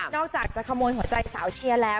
อกจากจะขโมยหัวใจสาวเชียร์แล้ว